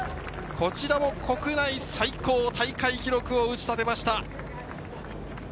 こちらも国内最高大会記録を打ち立てました。